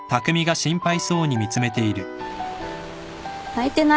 泣いてないよ。